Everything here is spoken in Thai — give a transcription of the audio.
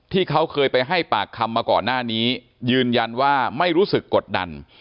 ที่เขาเคยไปให้ปากคำมาก่อนหน้านี้ยืนยันว่าไม่รู้สึกกดดัน